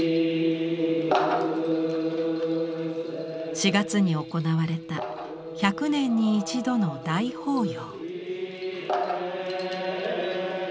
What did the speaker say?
４月に行われた１００年に一度の大法要。